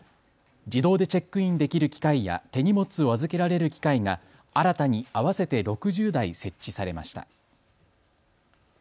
自動でチェックインできる機械や手荷物を預けられる機械が新たに合わせて６０台設置されました。